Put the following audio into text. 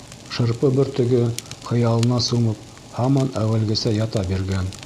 Шырпы бөртөгө, хыялына сумып, һаман әүәлгесә ята биргән.